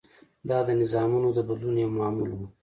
دا د نظامونو د بدلون یو معمول و.